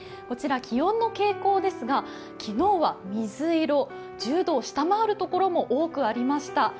こちら気温の傾向ですが、昨日は水色、１０度を下回るところも多くありました。